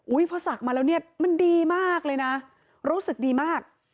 อุ๊ยพอสักมาแล้วมันดีมากเลยนะรู้สึกดีมาก